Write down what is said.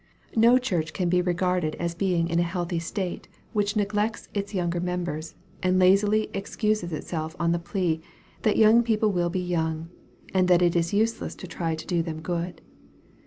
No church can be regarded as being in a healthy state which neglects its younger members, and lazily excuses itself on the plea, that " young people will be young," and that it is useless to try to do them good.